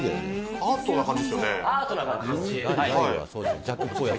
アートな感じです。